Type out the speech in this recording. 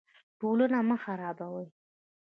ټولنه مه خرابوئ